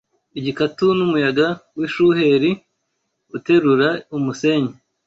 igikatu n’umuyaga w’ishuheri uterura umusenyi